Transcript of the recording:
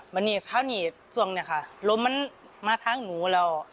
วันนี้เท่านี้สวงเนี่ยค่ะลมมันมาทางหนูแล้ว